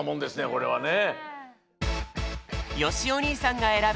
これはね。